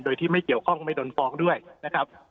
โดยที่ไม่เกี่ยวข้องไม่โดนฟ้องด้วยนะครับ